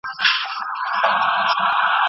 راتلونکي ته هیله مند اوسئ.